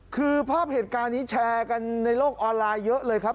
คือภาพเหตุการณ์นี้แชร์กันในโลกออนไลน์เยอะเลยครับ